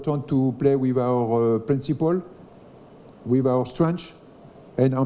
tapi saya pikir kita sudah siap